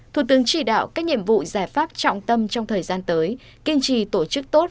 thủ tướng chỉ đạo các nhiệm vụ giải pháp trọng tâm trong thời gian tới kiên trì tổ chức tốt